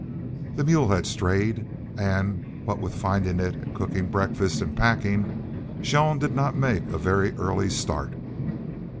The mule had strayed, and, what with finding it and cooking breakfast and packing, Jean did not make a very early start.